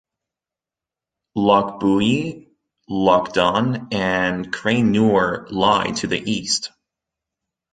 Lochbuie, Lochdon and Craignure lie to the east.